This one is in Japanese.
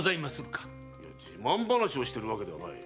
自慢話をしているわけではない。